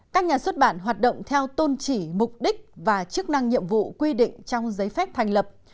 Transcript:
các nhà xuất bản hoạt động theo tôn chỉ mục đích và chức năng nhiệm vụ quy định trong giấy phép thành lập